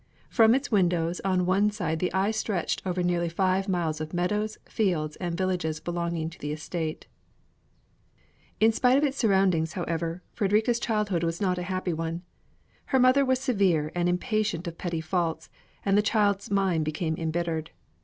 From its windows on one side the eye stretched over nearly five miles of meadows, fields, and villages belonging to the estate. [Illustration: FREDRIKA BREMER] In spite of its surroundings, however, Fredrika's childhood was not a happy one. Her mother was severe and impatient of petty faults, and the child's mind became embittered.